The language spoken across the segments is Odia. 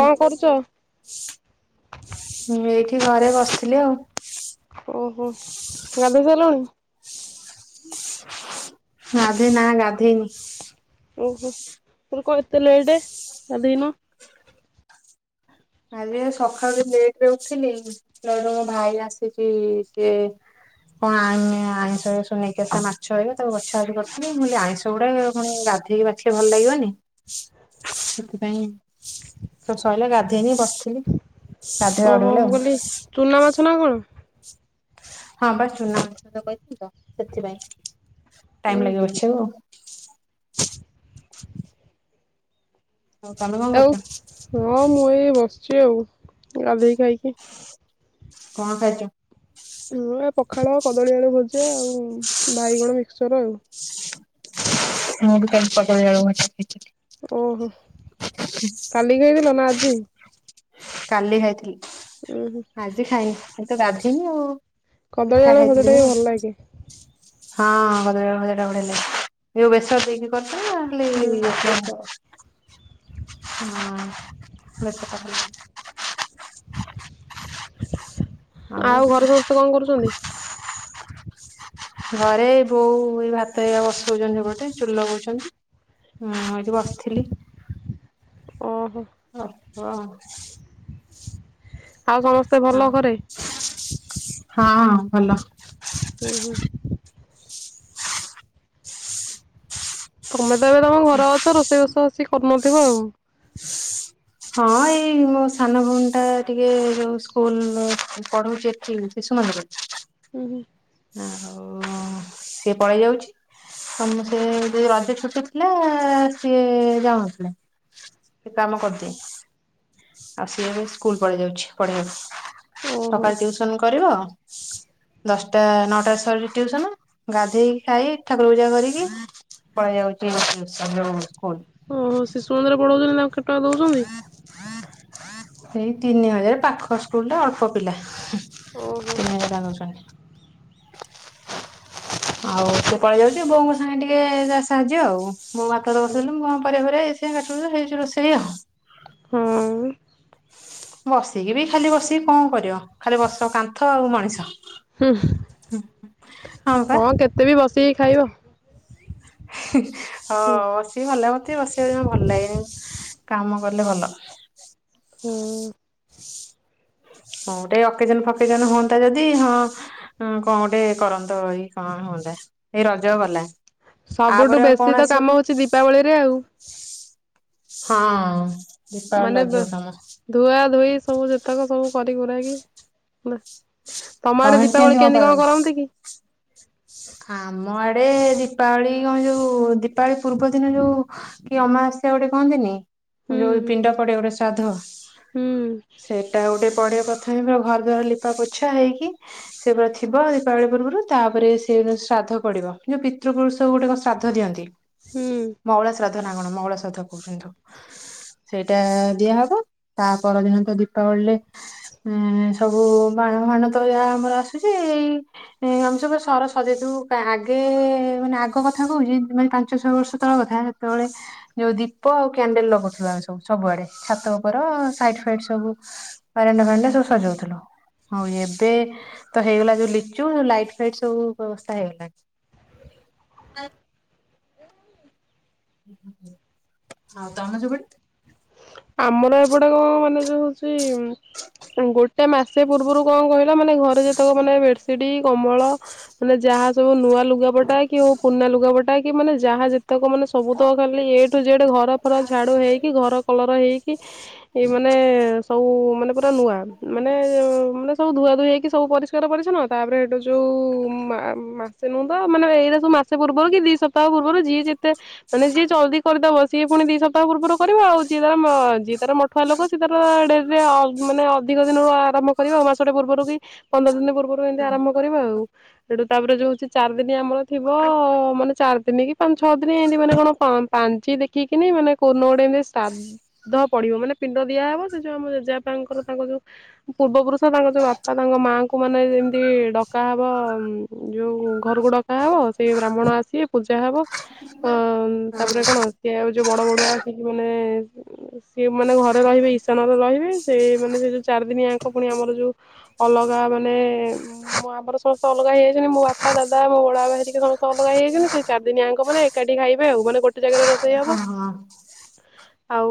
କଣ କରୁଛ? ମୁଁ ଏଇଠି ଘରେ ବସିଥିଲି ଆଉ। ଓହୋ ଗାଧୋଇ ସାରିଲୁଣି? ଗାଧେଇ ନା ଗାଧେଇନି। ଓହୋ ତୋର କଣ ଏତେ ଲେଟେ ଗାଧେଇନୁ? ଆଜି ସକାଳୁ ଲେଟରେ ଉଠିଲି ମୋ ଭାଇ ଆସିଚି ସିଏ କଣ ଆମେ ଆଇଁଷ ନେଇକିସ ମାଛହେରା ତାକୁ ବଛା ବଛି କରୁଥିଲି ମୁଁ କହିଲି ଆଇଁଷ ଗୁଡ଼ା ପୁଣି ଗାଧ ସେମିତି ବାଛିଲେ ଭଲ ଲାଗିବନି ସେଥିପାଇଁ ସବୁ ସଇଲେ ଗାଧ ଏଇ ବସିଥିଲି। ଗାଧୋଇବା ଓହୋ ଗଡିଗଲେ ମୁଁ ଆଉ କହିଲି ଚୁନା ମାଛ ନା କଣ? ହଁ ବା ଚୂନା ମାଛ ଆଣି କହିଥିଲି ତ ସେଥିପାଇଁ ଉଁ ଟାଇମ ଲାଗିବ ହୁଁ ବାଛି ବାକୁ ଆଉ। ଆଉ ତମେ କଣ ଆଉ କରୁଛ ହଁ ମୁଁ ଏଇ ବସିଛି ଆଉ ଗାଧେଇ ଖାଇକି। କଣ ଖାଇଛ? ମୁଁ ଏ ପଖାଳ କଦଳୀ ଆଳୁ ଭଜା ଆଉ ବାଇଗଣ ମିକ୍ସଚର ଆଉ ମୁଁ ଭି କାଲି କଦଳୀ ଆଳୁ ଭାଜିକି ଖାଇଥିଲି। ଓହୋ। [inaudible] କାଲି ଖାଇଥିଲୁ ନା ଆଜି? କାଲି ଖାଇଥିଲି। ଓହୋ। ଆଜି ଖାଇନି ଆଜି ତ ଗାଧେଇନି ଆଉ କଦଳୀ ପିଠା ଆଳୁ ଖାଇଥିଲି ଭଜାଟା ମୁଁ ବି ଭଲ ଲାଗେ। ହଁ କଦଳୀ ଆଳୁ ଭଜା ଟା ବଢିଆ ଲାଗେ ଯଉ ବେସର ଦେଇକି କରିଛ ହୁଁ ନା ଖାଲି ବେଶ ହଁ ବେସରଟା ଭଲ ଲାଗେ। ଆଉ ଘରେ ସମସ୍ତେ କଣ କରୁଛନ୍ତି? ଘରେ ବୋଉ ଏ ଭାତ ହେକା ବସଉଛନ୍ତି ସେପଟେ ଚୁଲି ଲଗଉଛନ୍ତି। ମୁଁ ଏଠି ବସିଥିଲି। ଓହୋ। ଓ ହୋ। ଆଉ ସମସ୍ତେ ଭଲ ଘରେ? ହଁ ଭଲ। ହୁଁ ହୁଁ। ତମେ ତ ଏବେ ତମ ଘରେ ଅଛ ରୋଷେଇ ବାସ ବେଶୀ କରୁନଥିବ ଆଉ। ହଁ ଏଇ ମୋ ସାନ ଭଉଣୀ ଟା ଟିକେ ଯୋଉ ସ୍କୁଲ ପଢଉଛି ଏଠି ଶିଶୁ ମନ୍ଦିରରେ ହୁଁ ହୁଁ ଆଉ ସିଏ ପଳେଇ ଯାଉଛି ତ ସେ ଯେ ରଜ ଛୁଟିଥିଲା ସିଏ ଯାଉନଥିଲେ। ସେ କାମ କରିଦିଏ ଆଉ ସିଏ ଏବେ ସ୍କୁଲ ପଳେଇ ଯାଉଛି ପଢେଇବାକୁ। ଓହୋ ସକାଳେ ଟିୟୁସନ କରିବ ଦଶଟା ନଅଟା ସରୁଛି ଟିୟୁସନ ଗାଧେଇକି ଖାଇକି ଠାକୁର ପୂଜା କରିକି ପଳେଇଯାଉଛି [unintelligible] ସ୍କୁଲ। ଓହୋ ଶିଶୁ ମନ୍ଦିରରେ ପଢ଼ଉଛନ୍ତି ତାଙ୍କୁ କେତେ ଟଙ୍କା ଦେଉଛନ୍ତି। ଏଇ ତିନି ହଜାର ପାଖ ସ୍କୁଲ ରେ ଅଳ୍ପ ପିଲା। ଓହୋ। [unintelligible] ଆଉ ସେ ପଳେଇଯାଉଛି ବୋଉଙ୍କ ସାଙ୍ଗେ ଟିକେ ସାହାଯ୍ୟ ଆଉ ମୁଁ ଭାତ ବସେଇଲେ [unintelligible] ପରିବା ଫରିବା ଏ ସେ କାଟୁ କାଟୁ ହେଇଯାଉଛି ରୋଷେଇ ଆଉ। ହଁ। ବସିକି ବି ଖାଲି ବସିକି କଣ କରିବ ଖାଲି ବସ କାନ୍ଥ ଆଉ ମଣିଷ। ହୁଁ ହଁ କେତେ ବି ବସିକି ଖାଇବ। ହଁ। ହୁଁ। ଭଲ ଲାଗେ ମୋତେ ବସିବାକୁ ଜମା ଭଲ ଲାଗେନି କାମ କଲେ ଭଲ। ହଁ। କଣ ଗୋଟେ ଅକେଜନ ଫକେଜନ ହୁଅନ୍ତା ଯଦି ହଁ ହ କଣ ଗୋଟେ କରନ୍ତ ଏଇ କଣ ହୁଅନ୍ତା ଏଇ ରଜ ଗଲା। ସବୁଠୁ ଆପରେ ଆଉ ବେଶୀ କଣ ତ କାମ ଆସିବ ହଉଛି ଦୀପାବଳିରେ ଆଉ କେ ହଁ ମାନେ ଦୀପାଳ ଝଅ କାମ। ଧୁଆ ଧୋଇ ସବୁ ଯେତକ ସବୁ କରି କରେଇକି ନା। ତମ ଆଡେ ଦୀପାବଳି କେମିତି କଣ କରନ୍ତି କି? ଆମ ଆଡେ ଦୀପାବଳି କଣ ଯୋଉ ଦୀପାବଳି ପୂର୍ବ ଦିନ ଯୋଉ କି ଅମା ଆସ୍ୟା ଗୋଟେ କହନ୍ତିନି ହୁଁ ଯୋଉ ପିଣ୍ଡ ପଡେ ଗୋଟେ ଶାଦ୍ଧ ହୁଁ ସେ ଏଇଟା ଗୋଟେ ପଢିବ ପ୍ରଥମେ ଘର ଦଵାର ଲିପା ପୋଛା ହେଇକି। ସେ ପୁରା ଥିବ ଦୀପାବଳି ପୂର୍ବରୁ ତାପରେ ସେ ଶ୍ରାଦ୍ଧ ପଡିବ ଯୋଉ ପିତୃପୁରୁଷ ଗୋଟେ ଶ୍ରାଦ୍ଧ ଦିଅନ୍ତି ହୁଁ ମଉଳା ଶ୍ରାଦ୍ଧ କଣ ମଙ୍ଗଳ ସାଧ କହୁଛନ୍ତି ତାକୁ। ସେଇଟା ଦିଆ ହବ ତା ପରଦିନ ତ ଦୀପାବଳିରେ ଉଁ ସବୁ ମାଣ ଫାଣ ତ ଆମର ଆସୁଛି ଏଇ ଆମେ ସବୁ ସରସ୍ ସତେ ତୁ ଆଗେ ମାନେ ଆଗ କଥା କହୁଛି ମାନେ ପାଞ୍ଚ ଛଅ ବର୍ଷ ତଳ କଥା ସେତେବେଳେ ଯୋଉ ଦୀପ ଆଉ କ୍ୟାଣ୍ଡେଲ ଲଗୁଥିବା ସବୁ ସବୁଆଡେ ଛାତ ଉପର ସାଇ ସବୁ। ବାରଣ୍ଡ ଫଣ୍ଡେ ଦୋସ ସଜ। ହଉ ଏବେ ତ ହେଇଗଲା ଯୋଉ ଲିଚୁ ଲାଇଟ୍ ଫାଇଟ ସବୁ ବ୍ୟବସ୍ଥା ହେଇଗଲାଣି। ହଉ ତମ ସେପଟେ। ଆମର ଏଗୁଡା କଣ ମାନେ ଯୋଉ ହଉଛି ଗୋଟେ ମାସ ସେ ପୂର୍ବରୁ କଣ କହିଲା ମାନେ ଘରେ ଯେତେକ ମାନେ ବେଡସିଟ କମଳ ମାନେ ଯାହା ସବୁ ନୂଆ ଲୁାପଟା କିଉ ପୁନନା ଲୁଗା ବଟା କି ମାନ ଯାହା ଯେତେ ତାକ ମାନେ ସବୁ ତ ଖାଲି ଏ ଟୁ ଜେଡ ଘର ଫର ଝାଡୁ ହେଇକି ଘର କଲର ହେଇକି ଏଇ ମାନେ ସବୁ ମାନେ ପୁରା ନୂଆ ମାନେ ମାନେ ସବୁ ଧୁଆ ଧୁ ହେଇକି ସବୁ ପରି ପଛନ ତାପରେ ଏଇଠୁ ଯୋଉ ମାସେ ନୁହଁ ତ ମାନେ ଏଇଟ ସ ମାସେ ପୂର୍ବରୁ କି ଦି ସ ସପ୍ତାହ ପୂର୍ବରୁ ଯିଏ ଯେତେ ମାନେ ଯିଏ ଜଲଦି କରିଦବ ସିଏ ପୁଣି ଦି ସପ୍ହ ପୂର୍ବର କରିବା ଆଉ। ଯିଏ ତାର ଯିଏ ତାର ମଠୁଆ ଲୋକ ସେିଏ ତାର ଡେଟ୍ରେ ମାନେ ଅଧିକ ଦିନରୁ ଆରମ୍ଭ କରିବେ ଆଉ ମାସଟେ ପୂର୍ବରୁ କି ପନ୍ଦର ଦିନ ପୂର୍ବରୁ। ଏମତି ଆରମ୍ଭ ହଁ କରିବା ଆଉ ସେଠୁ ତାପରେ ଯୋଉଛି ଚାରି ଦିନି ଆମର ଥିବ ମାନେ ଚାରି ଦିନ କି। ଛଅ ଦିନ ଏମିତି ମାନେ କଣ ପାଞ୍ଚି ଦେଖିକିନି ମାନେ କ ଗୋଟେ ଏମିତି ତାଦ ପଡିବ ମାନେ ପିଣ୍ଡ ଦିଆହବ ସେ ଯୋଉ ଆମ ଜେଜେପାଙ୍କର ତାଙ୍କ ଯୋଉ। ପୂର୍ବ ପୁରୁଷ ତାଙ୍କ ଯୋଉ ବାପା ତାଙ୍କ ମାଆଙ୍କୁ ମାନେ ଯେମିତି ଡକାହବ ଯୋଉ ଘରକୁ ଡକା ହବ ସେଇ ବ୍ରାହ୍ମଣ ଆସିବେ ପୁ ଯାହା ହବ ଅ ହଁ ତାପରେ କଣ ସିଏ ଆଉ ଯୋଉ ବଡ ବଡୁଆ ଆସିକି ମାନେ। ସିଏ ମାନେ ଘରେ ରହିବେ ଈଶାନରେ ରହିବେ ସେ ମାନେ ସେ ଯୋଉ ଚାରିଦିନି ୟାଙ୍କ ପୁଣି ଆମର ଯୋଉ। ଅଲଗା ମାନେ ମୁଁ ଆମର ସମସ୍ତେ ଅଲଗା ହେଇଯାଇଛନ୍ତି ମୋ ବାପା ଦା ମୋ ବଡବାପା ହେରିକା ସମସ୍ତେ ଅଲଗା ହେଇଯାଇଛନ୍ତି ସେ ଚାରିିଦିନିଆଙ୍କପରେ ମାନେ ଏକାଠି ଖାଇବେ ଆଉ ମାନେ ଗୋଟେ ଜାଗାରେ ରୋଷେଇ ହବ। ଆଉ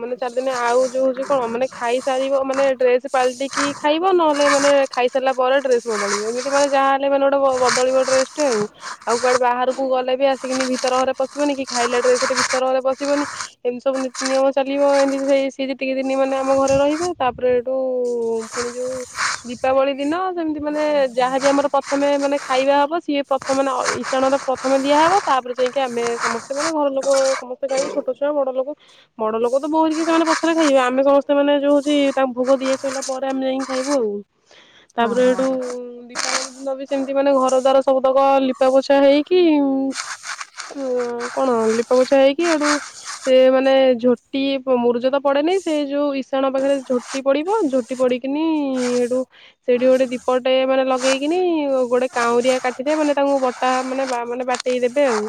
ମାନେ ଚାରିଦିନ ଆଉ ଯୋଉ ହଉଛି କଣ ମାନେ ଖାଇସାରିବ ମାନେ ଡ୍ରେସ ପାଲଟିକି ଖାଇବ ନହେଲେ ମାନେ ଖାଇସାରିଲା ପରେ ଡ୍ରେସ୍ ବଦଳିବ ଏମିତି ମାନେ ଯାହାହେଲେ ମାନେ ଗୋଟେ ବଦଳିବ ଡ୍ରେସ୍ ଗୋଟେ ଆଉ ଆଉ କୁଆଡେ ବାହାରକୁ ଗଲେ ବି ଆସିକିନି ଭିତର ଘରେ ବସିବନି କି ଖାଇଲା ଡ୍ରେସରେ ଭିତରେ ଘରେ ବସିବନି। ଏମିତି ସବୁ ନୀତି ନିୟମ ଚାଲିବ ଏମିତି ସେ ସେ ଯେତିକି ଦିନ ମାନେ ଆମ ଘରେ ରହିବେ ତାପରେ ଏଠୁ ପୁଣି ଯୋଉ ଦୀପାବଳି ଦିନ ସେମିତି ମାନେ ଯାହାବି ଆମର ପ୍ରଥମେ ମାନେ ଖାଇବା ହବ ସିଏ ପ୍ରଥମେ ମାନେ ଇଶାଣର ପ୍ରଥମେ ଦିଆହେବ ତାପରେ ଯାଇକି ଆମେ ସମସ୍ତେ ମାନେ ଘର ଲୋକ ସମସ୍ତେ ଖାଇବୁ ଛୋଟଛୁଆ ବଡଲୋକ। ବଡଲୋକ ତ ବୋଉହେରିକା ସେମାନେ ପଛରେ ଖାଇବେ ଆମେ ସମସ୍ତେ ମାନେ ଯୋଉଛି ତାଙ୍କୁ ଭୋଗଦିଆ ହେଇ ସରିଲା ପରେ ଆମେ ଯାଇକି ଖାଇବୁ ଆଉ ହଁ ହଁ ତାପରେ ହେଇଠୁ ଦୀପାବଳି ଦିନ ବି ସେମିତି ମାନେ ଘରଦ୍ଵାର ସବୁତକ ଲିପା ପୋଛା ହେଇକି ହଁ କଣ ଲିପାପୋଛା ହେଇକି ହେଇଠୁ ସେ ମାନେ ଝୋଟି ମୁରୁଜ ତ ପଡେନି ସେ ଯୋଉ ଇଶାଣ ପାଖରେ ଝୋ ଝୋଟି ପଡିବ ଝୋଟି ପଡିକିନି ହେଠୁ ସେଇଠି ଗୋଟେ ଦୀପଟେ ମାନେ ଲଗେଇକିନି, ଗୋଟେ କାଉଁରିଆ କାଠିରେ ମାନେ ତାଙ୍କୁ ଗୋ ତା ମାନେ ମାନେ ବାଟେଇ ଦେବେ ଆଉ,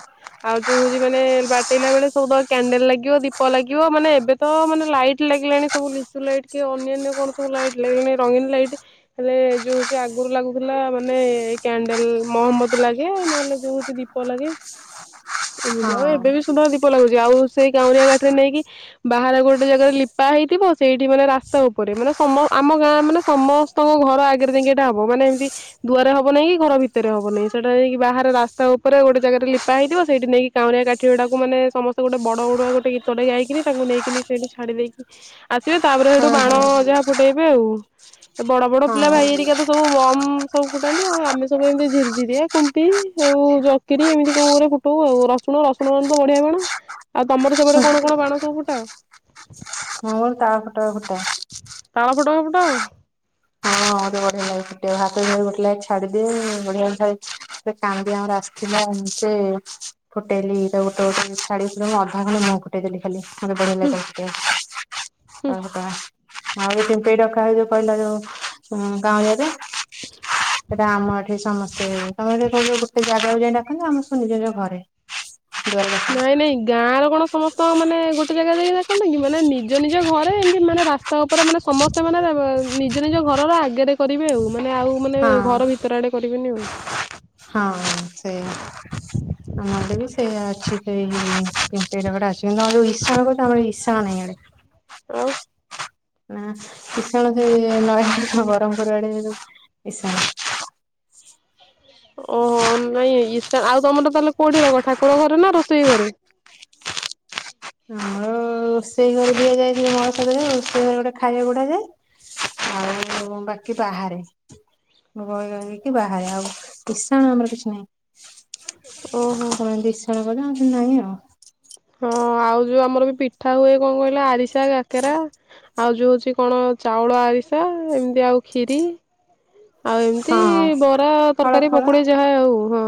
ଆଉ ଯୋଉ ହଉଛି ମାନେ ବାଟେଇଲା ବେଳେ ସବୁ କ୍ୟାଣ୍ଡେଲ ଲାଗିବ, ଦୀପ ଲାଗିବ ମାନେ ଏବେ ତ ମାନେ ଲାଇଟ୍ ଲାଗିଲାଣି ସବୁ ଲିଚୁ ଲାଇଟ୍। କି ଅନ୍ୟାନ୍ୟ କଣ ସବୁ ଲାଇଟ ଲାଗିଲାଣି, ରଙ୍ଗୀନ ଲାଇଟ୍ ହେଲେ ଯୋଉ ହଉଛି ଆଗରୁ ଲାଗୁଥିଲା, ମାନେ ଏ କ୍ୟାଣ୍ଡେଲ ମହମବତୀ ଲାଗେ ନହେଲେ ଯୋଉ ହଉଛି ଦୀ ଦୀପ ଲାଗେ ଏମିତି ହଁ ଆଉ। ଏବେ ବି ସୁନ୍ଦର ଦୀପ ଲାଗୁଛି ଆଉ ସେଇ କାଉଁରିଆ କାଠିରେ ନେଇକି ବାହାରେ ଗୋଟେ ଜାଗାରେ ଲିପା ହେଇଥିବ, ସେଇଠି ମାନେ ରାସ୍ତା ଉପରେ ମାନେ ସମ ଆମ ଗାଁ ମାନେ ସମ ସ୍ତଙ୍କ ଘର ଆଗରେ କିନ୍ତୁ ଏଇଟା ହବ, ମାନେ ଏମତି ଦୁଆରେ ହବ ନାଇଁ କି ଘର ଭିତରେ ହବ ନାହିଁ, ସେଟା ଯାଇକି ବାହାରେ ରାସ୍ତା ଉପରେ ଗୋଟେ ଜାଗାରେ ଲିପା ହେଇଥିବ ସେଇଠି ନେଇକି କାଉଁରିଆ କାଠିଗୁଡ଼ାକୁ ମାନେ ସମସ୍ତେ ଗୋଟେ ବଡ଼ ବଡୁଆ ଗୋଟେ ଗୀତଟେ ଗାଇକିନି, ତାଙ୍କୁ ନେଇକିନି ସେଇଠି ଛାଡ଼ି ଦେଇକି ଆସିବେ, ତାପରେ ସେଇଠୁ ହଁ ବାଣ ହଁ ଯାହା ଫୁଟେଇବେ ଆଉ। ତ ବଡ ବଡ ପିଲା ହଁ ଭାଇ ହେରିକା ତ ସବୁ ବମ୍ ସବୁ ଫୁଟାନ୍ତି, ଆଉ ଆମେ ସବୁ ଏମିତି ଝୁରଝିରଆ କୁମ୍ପି ଆଉ ଚକ୍ରୀ ଏମିତି କଣରେ ଫୁଟାଉ ଆଉ, ରସୁଣ ରସୁଣ ବାଣ ତ ବଢିଆ ବାଣ। ଆଉ ତମର ସେପଟେ କଣ କଣ ବାଣ ସବୁ ଫୁଟାଅ? ଆମର ତାଳ ଫୋଟକା ଫୁଟାଉ। ତାଳ ଫୋଟକା ଫୁଟାଅ। ହଁ ମତେ ବଢିଆ ଲାଗେ ଫୁଟେଇବାକୁ, ହାତ ଗୋଟ ଲାଗି ଛାଡିଦିଏ, ବଢିଆ ଭ କାନ୍ଦି ଆମର ଆସିଥିଲା ଏମତି ଫୁଟେଇଲି ତା ଗୋଟେ ଗୋଟେ ଛାଡିଥିଲେ, ଅଧା ଖଣ୍ଡେ ମୁଁ ଫୁଟେଇ ଦେଲି ଖାଲି। ମତେ ବଢିଆ ଲାଗେ ଫୁଟେଇବାକୁ ତାଳଫୋଟକା। ଆଉ ପିପେଇ ଡକା ହୁଏ ଯୋଉ କହିଲା ଯୋଉ କାଉଁରିଆରେ। ସେଇଟା ଆମ ଏଠି ସମସ୍ତେ ତମେ ଏଠ ଗୋଟେ ଜାଗାକୁ ଯାଇ ଡାକନ୍ତି, ଆମର ସବୁ ନିଜ ନିଜ ଘରେ। ଦୁଆରେ ଡାକନ୍ତି ନାଇଁ ନାଇଁ। ଗାଁର କଣ ସମସ୍ତ ମାନେ ଗୋଟେ ଜାଗା ଯାଇକି ଡାକନ୍ତି କି, ମାନେ ନିଜ ନିଜ ଘରେ ଏମିତି ମାନେ ରାସ୍ ସ୍ତା ଉପରେ ମାନେ ସମସ୍ତେ ମାନେ ନିଜ ନିଜ ଘରର ଆଗରେ କରିବେ ଆଉ। ମାନେ ଆଉ ମାନେ ଘର ଭିତର ଆଡ଼େ କରିବେନି ଆଉ। ହଁ ସେୟା, ଆମ ଆଡେ ବି ସେୟା ଅଛି ସେଇ [unintelligible] ଯୋଉ ଇଶାଣ କହୁଛ ଆମର ଇଶାଣ ନାହିଁ ଇଆଡେ। ଆଉ। ନା ଇସାଣ ସେ ନୟାଗଡ ବରହମପୁର ଆଡେ ଇଶାଣ ଓ ନାଇଁ ଇଶା ଆଉ ତମର ତାହେଲେ କୋଉଠି ହବ ଠାକୁର ଘରେ ନା ରୋଷେଇ ଘରେ? ଆମର ରୋଷେଇ ଘରେ ଦିଆଯାଏ, [unintelligible] ରୋଷେଇ ଘରେ ଗୋଟେ ଖାଇବା ବଢ଼ାଯାଏ। ଆଉ ବାକି ବାହାରେ। ଘରେ ରହିକି ବାହାରେ, ଆଉ ଇଷାଣ ଆମର କିଛି ନାହିଁ। ଓହୋ। କହନ୍ତି ଇଶାଣ ବୋଲି, ଆମର ନାହିଁ ଆଉ। ହଁ ଆଉ ଯୋଉ ଆମର ବି ପିଠା ହୁଏ, କଣ କହିଲ? ଆରିସା, କାକେରା ଆଉ ଯୋଉ ହଉଛି କଣ ଚାଉଳ ଆରିସା, ଏମିତି ଆଉ ଖିରି ଆଉ ଏମିତି ହଁ ବରା, ଫଳ ତରକାରୀ, ଫଳ ପକୁଡି ଯାହା ଆଉ ହଁ।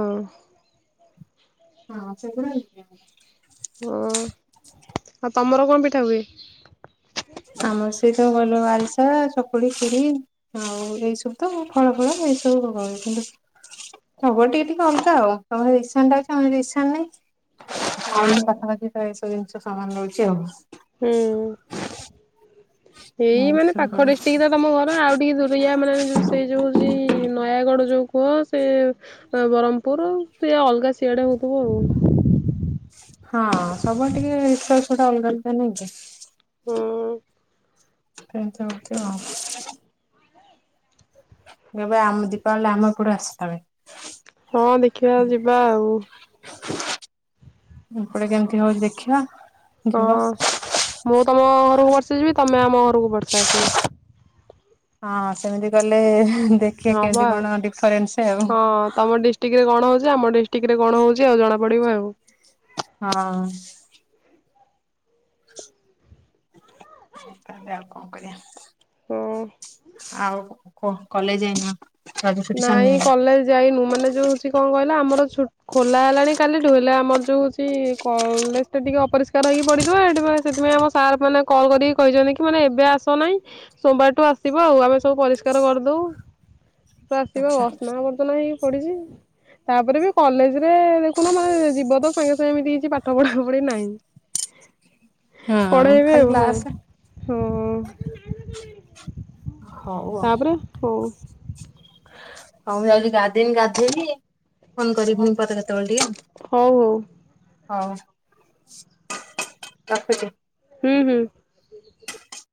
ହଁ ସେଗୁଡା [unintelligible] ହଁ ଆଉ ତମର କଣ ପିଠା ହୁଏ? ଆମ ସେଇତ କହିଲୁ ଆରିସା ଚକୁଳି ଖିରି ଆଉ ଏଇ ସବୁ ତ ଫଳ ଫଳ ଏଇ ସବୁ ଭୋଗହୁଅ କିନ୍ତୁ ସବୁଆଡେ ଟିକେ ଟିକେ ଅଲଗା ଆଉ ତମର ଈଶାଣ ଟା ଅଛି ଆମର ଈଶାଣ ନାଇଁ ଆଉ ପାଖାପାଖି ତ ଏସବୁ ଜିନିଷ ସମାନ ରହୁଛି ଆଉ ହୁଁ ଏଇ ଏମିତି ମାନେ ସବୁ ପାଖ ରହେ। ଡିଷ୍ଟ୍ରିକ ତ ତମ ଘର ଆଉ ଟିକେ ଦୂରିଆ ମାନେ ସେଇ ଯୋଉ ହଉଛି ନୟାଗଡ଼ ଯୋଉ କୁହ ସେ ବ୍ରହ୍ମପୁର ସେଇ ଅଲଗା ସିଆଡେ ହଉଥିବ ଆଉ ହଁ ସବୁଆଡେ ଟିକେ ରିଚୁଆଲସ ଗୁଡା ଅଲଗା ଅଲଗା ନାଇଁ କି ହୁଁ [inaudible] ଏବେ ଆମ ଦୀପାବଳି ଆମ ଏପଟୁ ଆସିଲାଣି [unintelligible] ହଁ ଦେଖିବା ଯିବା ଆଉ ଏପଟେ କେମିତି ହଉଛି ଦେଖିବା ହଁ ଯିବ ମୁଁ ତମ ଘରକୁ ବର୍ଷେ ଯିବି ତମେ ଆମ ଘରକୁ ବର୍ଷେ ଆସିବ ହଁ ସେମିତି କଲେ ଦେଖିବା ହବ କେମିତି ଆଉ। କଣ ଡିଫରେନ୍ସ ଆଉ ହଁ ତମ ଡି ଡ଼ିଷ୍ଟିକ୍ଟରେ କଣ ହଉଛି ଆମ ଡିଷ୍ଟିକ୍ଟରେ କଣହଉଛି ଆଉ ଜଣାପଡ଼ିବ ଆଉ ହଁ ତାହାଲେ ଆଉ କଣ ହଁ। କରିବା ଆଉ କଣ କ କଲେଜ ଯାଇନ ରଜ ଛୁଟି ସରିନି ନାଇଁ କଲେଜ ଯାଇନୁ ମାନେ ଯୋଉ ହଉଛି କଣ କହିଲ ଆମର ଛୁ ଖୋଲା ହେଲାଣି କାଲିଠୁ ହେଲେ ଆମର ଯୋଉ ହଉଛି କଲେଜଟା ଟିକେ ଅରିଷ୍କାର ହେଇକି ପଡିଥିବ ସେଥିପାଇଁ ସେଥିପାଇଁ ଆମ ସାର୍ ମାନେ କଲ୍ କରିକି କହିଛନ୍ତି କି ମାନେ ଏବେ ଆସ ନାହିଁ ସୋମବାରଠୁ ଆସିବ ଆଉ ଆମେ ସବୁ ପରିଷ୍କାର କରିଦବୁ ତ ଆସିବ ଆଚ୍ଛା ଅସନା ଫସନା ହେଇକି ପଡିଛି ତାପରେ ବି କଲେଜ ରେ ଦେଖୁନ ମାନେ ଯିବ ତ ସାଙ୍ଗେ ସାଙ୍ଗେ ଏମିତି କିଛି ପାଠ ପଢା ପଢି ନାହିଁ ହଁ ପଢେଇବେ ଖାଲି ଆଉ ହଁ କ୍ଲାସ। ହଁ ହଉ ଆଉ ତାପରେ ହଁ ହଉ ମୁଁ ଯାଉି ଗାଧେଇନି ଗାଧେଇବି ଫୋନ୍‌ କରିବି ପୁଣି ପରେ କେତେବେଳେ ଟିକେ ଆଉ ହଉ ହଉ ହଉ ରଖୁଛି ହୁଁ ହୁଁ